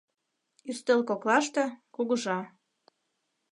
Ӱстел коклаште — кугыжа.